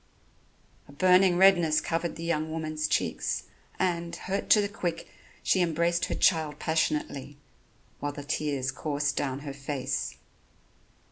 A burning redness covered the young woman's cheeks, and, hurt to the quick, she embraced her child passionately, while the tears coursed down her face.